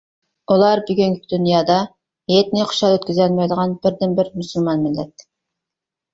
ئۇلار بۈگۈنكى دۇنيادا ھېيتنى خۇشال ئۆتكۈزەلمەيدىغان بىردىنبىر مۇسۇلمان مىللەت.